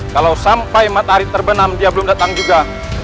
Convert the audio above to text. kalau sampai matahari terbenam dia belum datang juga